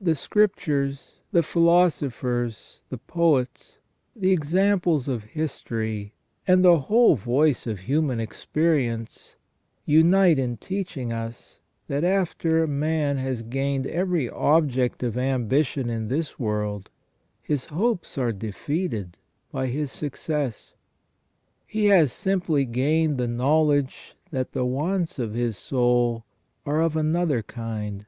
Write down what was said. The Scriptures, the philosophers, the poets, the examples of history and the whole voice of human experience, unite in teaching us, that after man has gained every object of ambition in this world, his hopes are defeated by his success. He has simply gained the knowledge that the wants of his soul are of another kind.